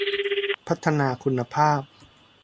พัฒนาคุณภาพ